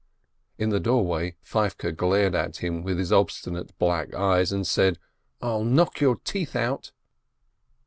In the doorway Feivke glared at him with his obstinate black eyes, and said: "I'll knock your teeth out